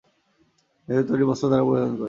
নিজেদের তৈরি বস্ত্র তারা পরিধান করে।